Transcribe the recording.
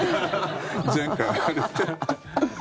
前科があるって？